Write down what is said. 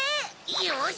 よし！